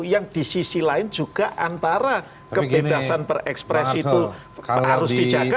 yang di sisi lain juga antara kebebasan berekspresi itu harus dijaga